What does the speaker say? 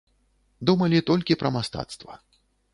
Думалі толькі пра мастацтва.